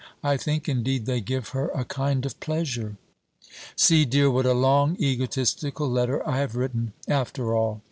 I think, indeed, they give her a kind of pleasure. See, dear, what a long egotistical letter I have written, after all.